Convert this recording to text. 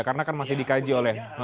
karena kan masih dikaji oleh